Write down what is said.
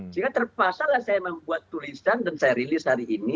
sehingga terpaksalah saya membuat tulisan dan saya rilis hari ini